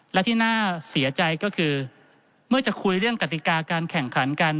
และที่น่าเสียใจก็คือเมื่อจะคุยเรื่องกติกาการแข่งขันกัน